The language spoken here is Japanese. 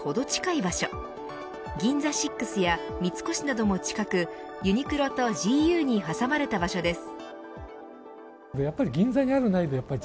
シックスや三越なども近くユニクロとＧＵに挟まれた場所です。